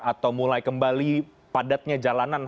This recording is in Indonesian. atau mulai kembali padatnya jalanan